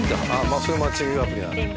それマッチングアプリなんだ。